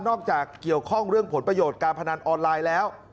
เกี่ยวข้องเรื่องผลประโยชน์การพนันออนไลน์แล้ว